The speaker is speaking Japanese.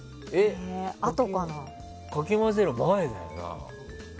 かき混ぜる前だよな。